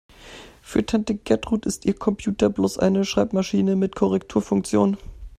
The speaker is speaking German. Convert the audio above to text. Für Tante Gertrud ist ihr Computer bloß eine Schreibmaschine mit Korrekturfunktion.